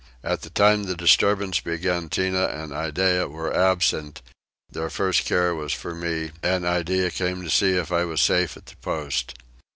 At the time the disturbance began Tinah and Iddeah were absent: their first care was for me, and Iddeah came to see if I was safe at the post.